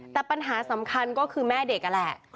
แต่ปัญหาสำคัญก็คือแม่เด็กนั่นแหละ